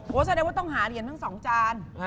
โหแสดงว่าต้องหาเหรียญเพิ่งสองจาน